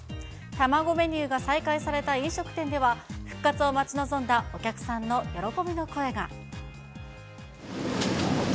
卵メニューが再開された飲食店では、復活を待ち望んだお客さんの喜びの声が。